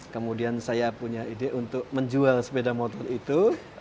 kemudian saya punya ide untuk menjual sepeda motor itu